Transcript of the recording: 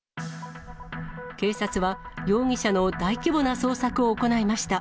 警察は、容疑者の大規模な捜索を行いました。